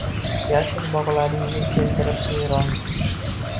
Yashil bog’laringga keltirib qiron